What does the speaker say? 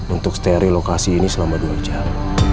untuk steril lokasi ini selama dua jam